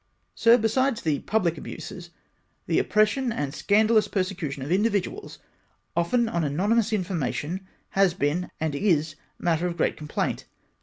"' Sir, besides the public abuses, the oppression and scan dalous persecution of individuals, often on anonymous infor mation, has been, and is matter of great complaint.